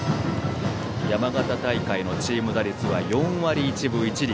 山形大会のチーム打率は４割１分１厘。